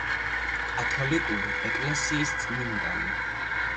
კათოლიკური ეკლესიის წმინდანი.